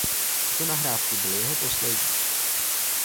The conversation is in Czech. Tyto nahrávky byly jeho poslední.